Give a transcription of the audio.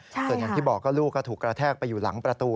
ส่วนอย่างที่บอกก็ลูกก็ถูกกระแทกไปอยู่หลังประตู